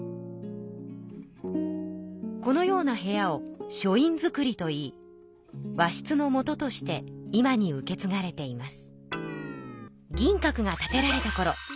このような部屋を書院造といい和室の元として今に受けつがれています。